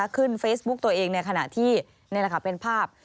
ขึ้นเฟซบุ๊กตัวเองในขณะที่นี่แหละค่ะเป็นภาพ